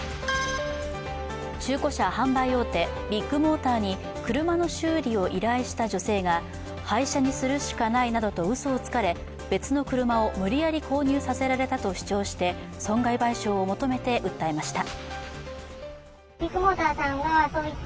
中古車販売大手ビッグモーターに車の修理を依頼した女性が、廃車にするしかないなどとうそをつかれ別の車を無理やり購入させられたと主張して損害賠償を求めて訴えました。